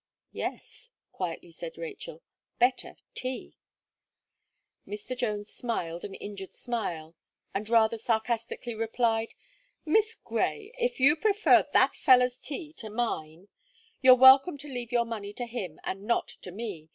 "Yes," quietly said Rachel, "better tea." Mr. Jones smiled an injured smile, and rather sarcastically replied: "Miss Gray, if you prefer that feller's tea to mine, you're welcome to leave your money to him, and not to me.